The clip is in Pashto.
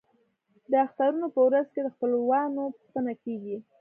د اخترونو په ورځو کې د خپلوانو پوښتنه کیږي.